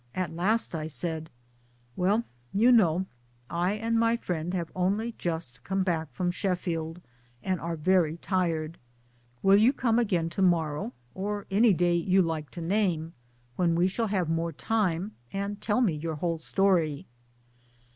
At last I said :' Well, you know, I and my friend have only just come back from Sheffield, and are very tired ; will you come again to morrow, or any day you like to name, when we shall have more time, and tell me your whole story."